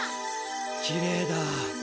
きれいだ。